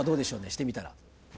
してみたら。